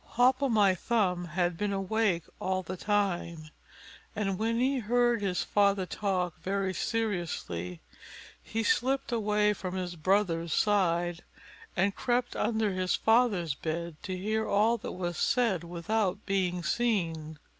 Hop o' my thumb had been awake all the time; and when he heard his father talk very seriously, he slipped away from his brothers' side, and crept under his father's bed, to hear all that was said without being seen.